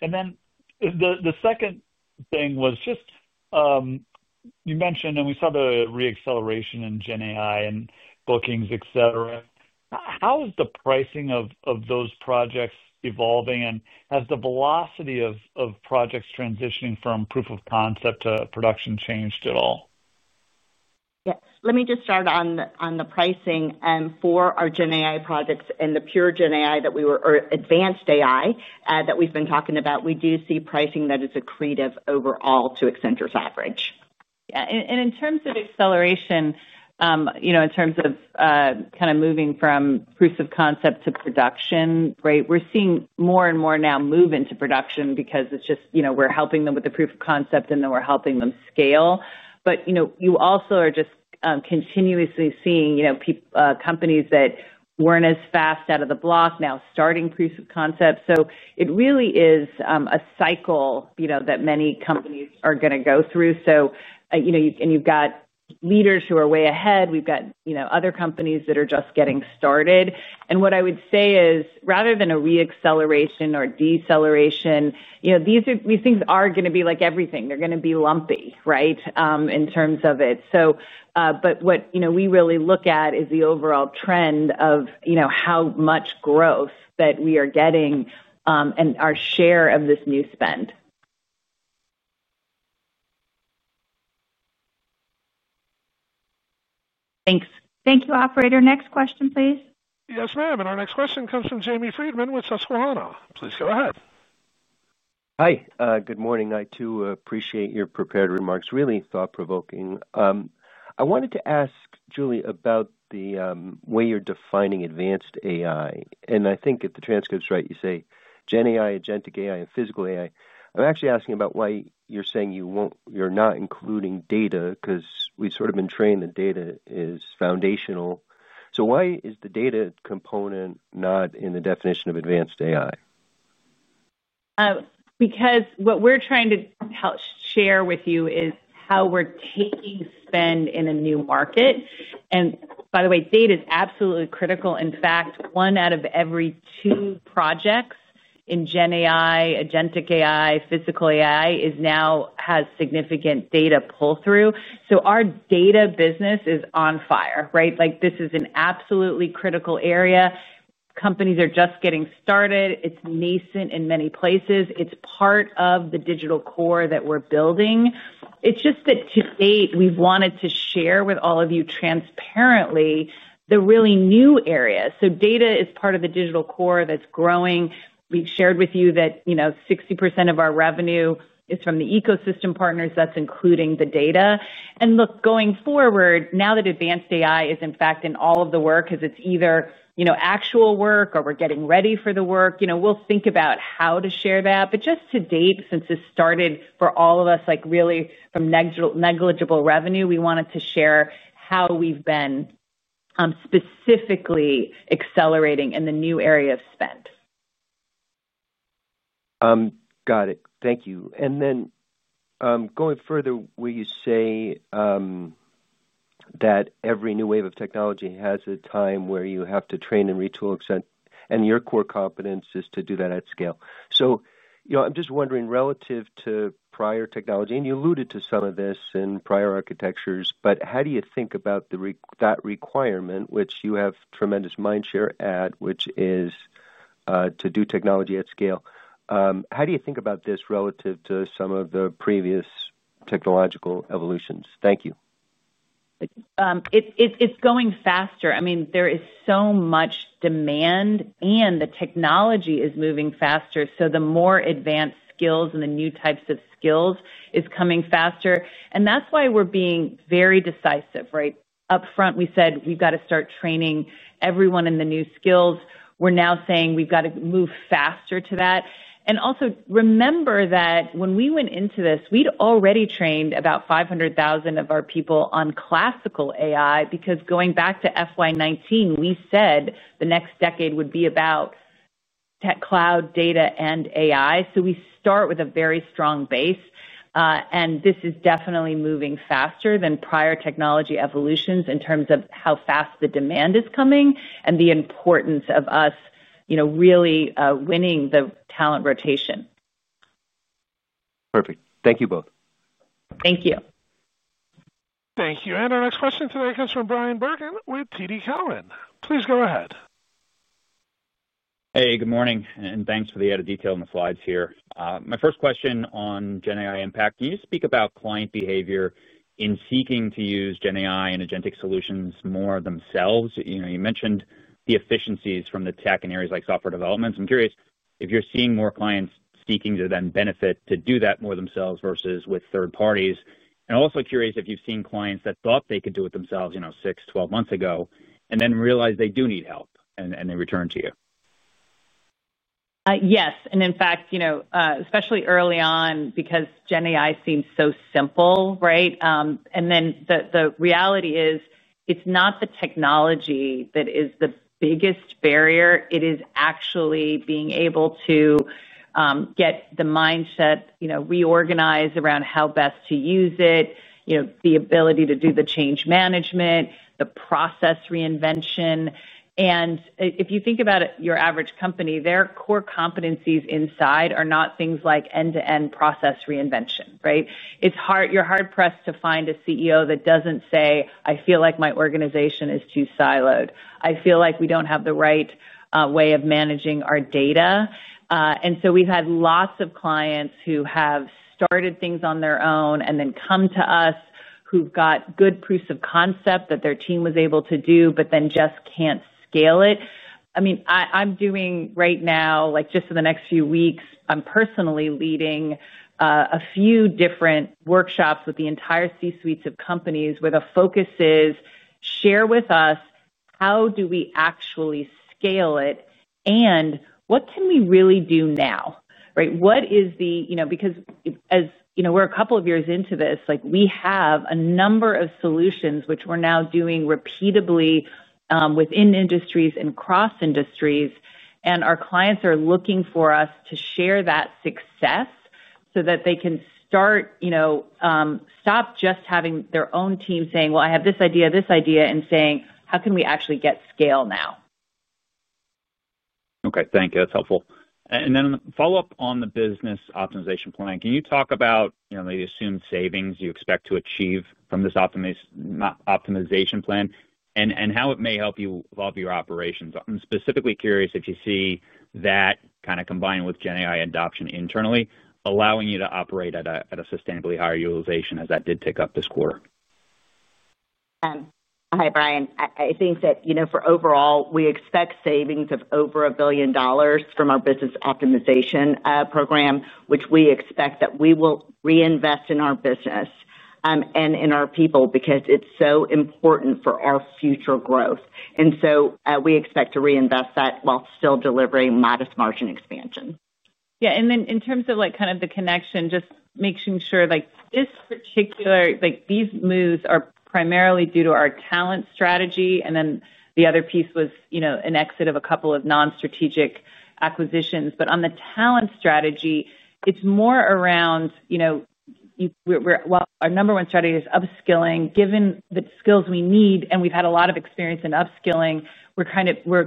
Yeah. You mentioned, and we saw the reacceleration in Gen AI and bookings, et cetera. How is the pricing of those projects evolving? Has the velocity of projects transitioning from proof of concept to production changed at all? Let me just start on the pricing. For our Gen AI projects and the pure Gen AI that we were, or advanced AI that we've been talking about, we do see pricing that is accretive overall to Accenture's average. Yeah. In terms of acceleration, in terms of kind of moving from proof of concept to production, we're seeing more and more now move into production because we're helping them with the proof of concept, and then we're helping them scale. You also are just continuously seeing companies that weren't as fast out of the block now starting proof of concept. It really is a cycle that many companies are going to go through. You have leaders who are way ahead. We have other companies that are just getting started. What I would say is, rather than a reacceleration or deceleration, these things are going to be like everything. They're going to be lumpy, in terms of it. What we really look at is the overall trend of how much growth that we are getting and our share of this new spend. Thanks. Thank you, Operator. Next question, please. Yes, ma'am. Our next question comes from Jamie Friedman with Susquehanna. Please go ahead. Hi. Good morning. I too appreciate your prepared remarks. Really thought-provoking. I wanted to ask, Julie, about the way you're defining advanced AI. I think if the transcript's right, you say Gen AI, agentic AI, and physical AI. I'm actually asking about why you're saying you're not including data because we've sort of been trained that data is foundational. Why is the data component not in the definition of advanced AI? Because what we're trying to share with you is how we're taking spend in a new market. By the way, data is absolutely critical. In fact, one out of every two projects in Gen AI, Agentic AI, physical AI has significant data pull-through. Our data business is on fire, right? This is an absolutely critical area. Companies are just getting started. It's nascent in many places. It's part of the digital core that we're building. It's just that to date, we've wanted to share with all of you transparently the really new area. Data is part of the digital core that's growing. We've shared with you that 60% of our revenue is from the ecosystem partners, including the data. Look, going forward, now that advanced AI is, in fact, in all of the work, because it's either actual work or we're getting ready for the work, we'll think about how to share that. Just to date, since this started for all of us, like really from negligible revenue, we wanted to share how we've been specifically accelerating in the new area of spend. Got it. Thank you. Going further, will you say that every new wave of technology has a time where you have to train and retool, and your core competence is to do that at scale? I'm just wondering, relative to prior technology, and you alluded to some of this in prior architectures, how do you think about that requirement, which you have tremendous mindshare at, which is to do technology at scale? How do you think about this relative to some of the previous technological evolutions? Thank you. It's going faster. There is so much demand, and the technology is moving faster. The more advanced skills and the new types of skills are coming faster. That's why we're being very decisive, right? Upfront, we said you've got to start training everyone in the new skills. We're now saying we've got to move faster to that. Also, remember that when we went into this, we'd already trained about 500,000 of our people on classical AI because going back to FY2019, we said the next decade would be about cloud, data, and AI. We start with a very strong base. This is definitely moving faster than prior technology evolutions in terms of how fast the demand is coming and the importance of us really winning the talent rotation. Perfect. Thank you both. Thank you. Thank you. Our next question today comes from Bryan Bergin with TD Cowen. Please go ahead. Hey, good morning. Thanks for the added detail in the slides here. My first question on Gen AI impact. Can you speak about client behavior in seeking to use Gen AI and agentic solutions more themselves? You mentioned the efficiencies from the tech in areas like software development. I'm curious if you're seeing more clients seeking to then benefit to do that more themselves versus with third parties. I'm also curious if you've seen clients that thought they could do it themselves 6 to 12 months ago and then realize they do need help, and they return to you. Yes. In fact, especially early on, because Gen AI seemed so simple, right? The reality is it's not the technology that is the biggest barrier. It is actually being able to get the mindset reorganized around how best to use it, the ability to do the change management, the process reinvention. If you think about your average company, their core competencies inside are not things like end-to-end process reinvention, right? You're hard-pressed to find a CEO that doesn't say, "I feel like my organization is too siloed. I feel like we don't have the right way of managing our data." We've had lots of clients who have started things on their own and then come to us who've got good proofs of concept that their team was able to do, but then just can't scale it. I'm doing right now, like just in the next few weeks, I'm personally leading a few different workshops with the entire C-suites of companies where the focus is, share with us how do we actually scale it and what can we really do now, right? As we're a couple of years into this, we have a number of solutions which we're now doing repeatedly within industries and across industries. Our clients are looking for us to share that success so that they can start, stop just having their own team saying, "Well, I have this idea, this idea," and saying, "How can we actually get scale now? OK. Thank you. That's helpful. A follow-up on the business optimization program. Can you talk about the assumed savings you expect to achieve from this optimization program and how it may help you evolve your operations? I'm specifically curious if you see that kind of combined with Gen AI adoption internally allowing you to operate at a sustainably higher utilization as that did take up this quarter. Hi, Brian. I think that for overall, we expect savings of over $1 billion from our business optimization program, which we expect that we will reinvest in our business and in our people because it's so important for our future growth. We expect to reinvest that while still delivering modest margin expansion. Yeah. In terms of the connection, just making sure this particular, these moves are primarily due to our talent strategy. The other piece was an exit of a couple of non-strategic acquisitions. On the talent strategy, it's more around, our number one strategy is upskilling. Given the skills we need, and we've had a lot of experience in upskilling, we're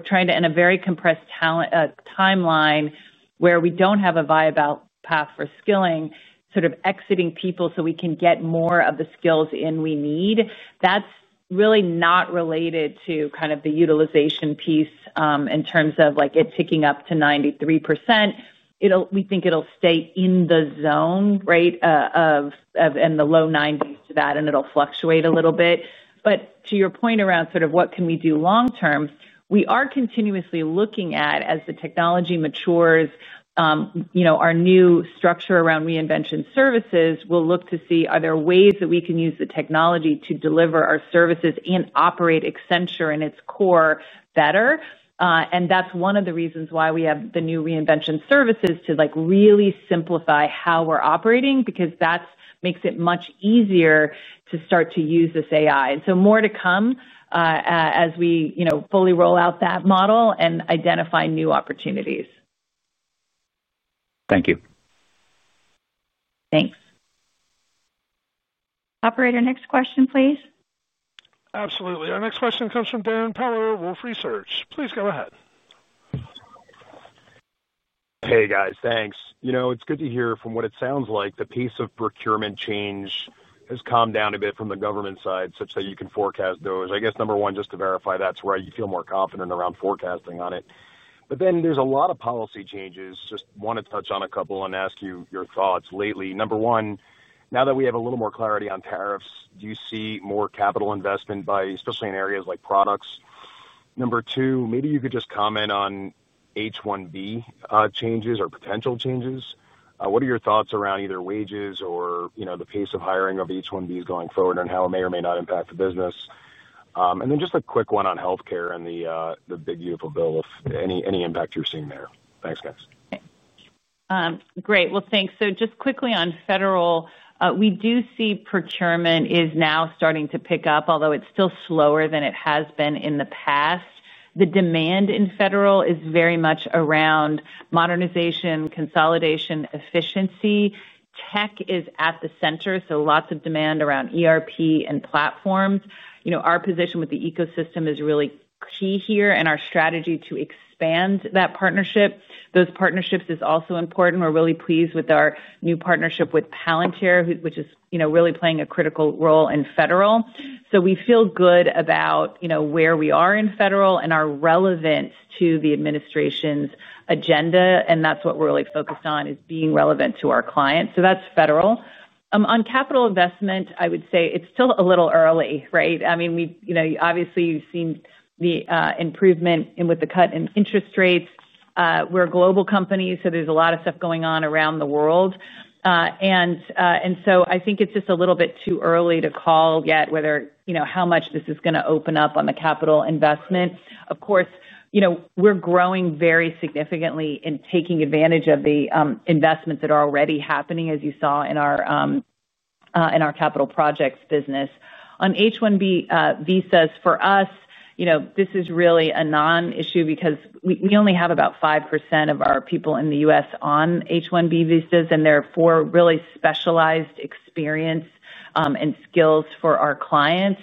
trying to, in a very compressed talent timeline where we don't have a viable path for skilling, sort of exiting people so we can get more of the skills in we need. That's really not related to the utilization piece in terms of it ticking up to 93%. We think it'll stay in the zone, in the low 90s to that, and it'll fluctuate a little bit. To your point around what can we do long term, we are continuously looking at, as the technology matures, our new structure around reinvention services. We'll look to see, are there ways that we can use the technology to deliver our services and operate Accenture in its core better? That's one of the reasons why we have the new reinvention services to really simplify how we're operating because that makes it much easier to start to use this AI. More to come as we fully roll out that model and identify new opportunities. Thank you. Thanks. Operator, next question, please. Absolutely. Our next question comes from Darrin Peller of Wolfe Research. Please go ahead. Hey, guys. Thanks. It's good to hear from what it sounds like the pace of procurement change has calmed down a bit from the government side, such that you can forecast those. I guess, number one, just to verify that's right, you feel more confident around forecasting on it. There's a lot of policy changes. Just want to touch on a couple and ask you your thoughts lately. Number one, now that we have a little more clarity on tariffs, do you see more capital investment, especially in areas like products? Number two, maybe you could just comment on H-1B changes or potential changes. What are your thoughts around either wages or the pace of hiring of H-1Bs going forward and how it may or may not impact the business? Just a quick one on health care and the big beautiful bill, if any impact you're seeing there. Thanks, guys. Great. Thanks. Just quickly on federal, we do see procurement is now starting to pick up, although it's still slower than it has been in the past. The demand in federal is very much around modernization, consolidation, efficiency. Tech is at the center, so lots of demand around ERP and platforms. Our position with the ecosystem is really key here and our strategy to expand that partnership. Those partnerships are also important. We're really pleased with our new partnership with Palantir, which is really playing a critical role in federal. We feel good about where we are in federal and are relevant to the administration's agenda. That's what we're really focused on, being relevant to our clients. That's federal. On capital investment, I would say it's still a little early, right? Obviously, you've seen the improvement with the cut in interest rates. We're a global company, so there's a lot of stuff going on around the world. I think it's just a little bit too early to call yet how much this is going to open up on the capital investment. Of course, we're growing very significantly and taking advantage of the investments that are already happening, as you saw in our capital projects business. On H-1B visas, for us, this is really a non-issue because we only have about 5% of our people in the U.S. on H-1B visas, and they're for really specialized experience and skills for our clients.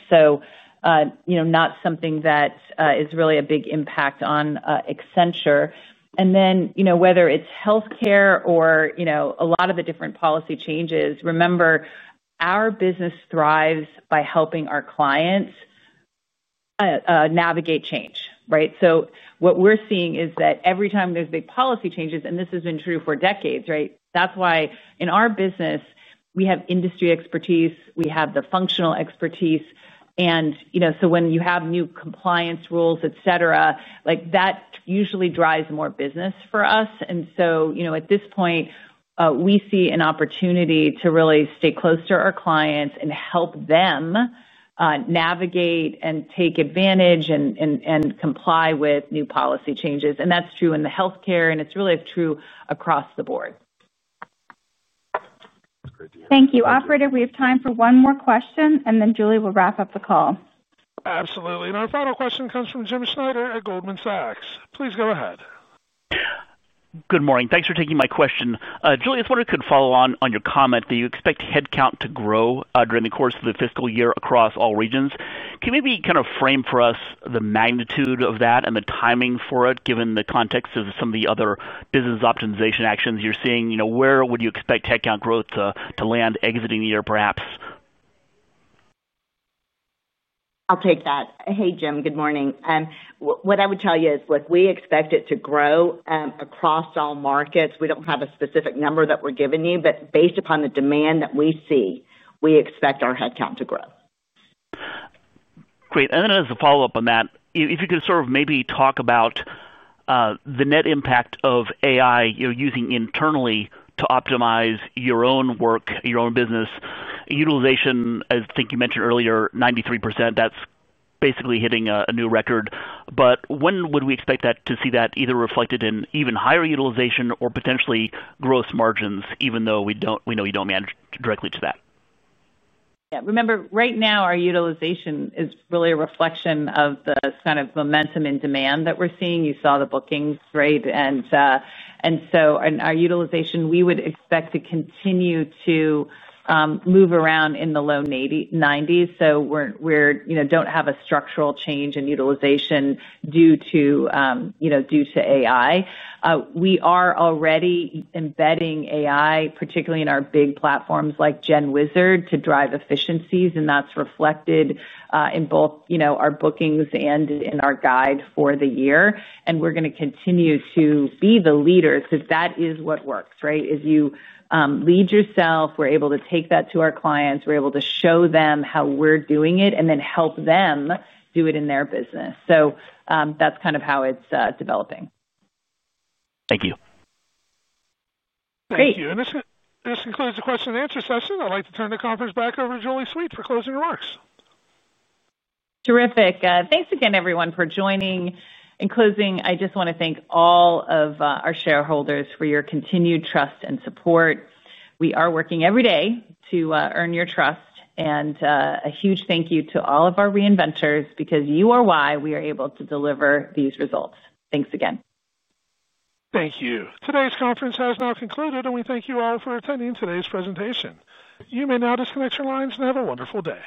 Not something that is really a big impact on Accenture. Whether it's health care or a lot of the different policy changes, remember, our business thrives by helping our clients navigate change, right? What we're seeing is that every time there's big policy changes, and this has been true for decades, that's why in our business, we have industry expertise. We have the functional expertise. When you have new compliance rules, et cetera, that usually drives more business for us. At this point, we see an opportunity to really stay close to our clients and help them navigate and take advantage and comply with new policy changes. That's true in health care, and it's really true across the board. Thank you. Operator, we have time for one more question, and then Julie will wrap up the call. Absolutely. Our final question comes from Jim Schneider at Goldman Sachs. Please go ahead. Good morning. Thanks for taking my question. Julie, I just wonder if you could follow on your comment that you expect headcount to grow during the course of the fiscal year across all regions. Can you maybe kind of frame for us the magnitude of that and the timing for it, given the context of some of the other business optimization actions you're seeing? Where would you expect headcount growth to land exiting the year, perhaps? I'll take that. Hey, Jim. Good morning. What I would tell you is, look, we expect it to grow across all markets. We don't have a specific number that we're giving you, but based upon the demand that we see, we expect our headcount to grow. Great. As a follow-up on that, if you could maybe talk about the net impact of AI you're using internally to optimize your own work, your own business, utilization. I think you mentioned earlier, 93%. That's basically hitting a new record. When would we expect to see that either reflected in even higher utilization or potentially gross margins, even though we know you don't manage directly to that? Yeah. Remember, right now, our utilization is really a reflection of the kind of momentum in demand that we're seeing. You saw the bookings, right? Our utilization, we would expect to continue to move around in the low 90%, so we don't have a structural change in utilization due to AI. We are already embedding AI, particularly in our big platforms like Gen AI, to drive efficiencies, and that's reflected in both our bookings and in our guide for the year. We're going to continue to be the leaders because that is what works, right? As you lead yourself, we're able to take that to our clients. We're able to show them how we're doing it and then help them do it in their business. That's kind of how it's developing. Thank you. Thank you. As we close the question and answer session, I'd like to turn the conference back over to Julie Sweet for closing remarks. Terrific. Thanks again, everyone, for joining. In closing, I just want to thank all of our shareholders for your continued trust and support. We are working every day to earn your trust. A huge thank you to all of our reinventors because you are why we are able to deliver these results. Thanks again. Thank you. Today's conference has now concluded, and we thank you all for attending today's presentation. You may now disconnect your lines and have a wonderful day.